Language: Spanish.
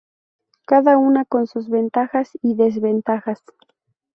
Cada una con sus ventajas y desventajas.